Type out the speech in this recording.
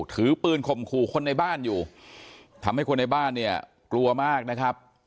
ถือปืนข่มขู่คนในบ้านอยู่ทำให้คนในบ้านเนี่ยกลัวมากนะครับ